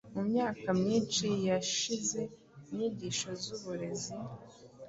Mu myaka myinshi yashize inyigisho z’uburezi